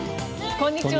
こんにちは。